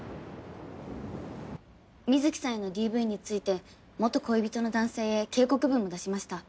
美月さんへのＤＶについて元恋人の男性へ警告文を出しました。